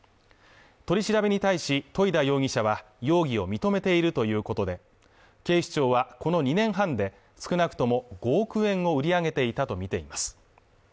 取り調べに対し樋田容疑者は容疑を認めているということで警視庁はこの２年半で少なくとも５億円を売り上げていたとみています